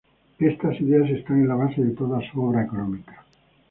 Estas ideas están en la base de toda su obra económica.